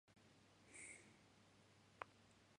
ハリヤーナー州の州都はチャンディーガルである